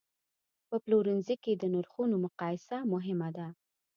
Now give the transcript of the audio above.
په پلورنځي کې د نرخونو مقایسه مهمه ده.